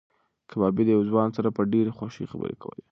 کبابي د یو ځوان سره په ډېرې خوښۍ خبرې کولې.